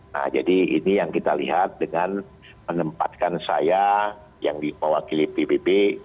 nah jadi ini yang kita lihat dengan menempatkan saya yang diwakili pbb